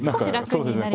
そうですね